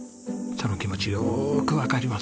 その気持ちよーくわかります。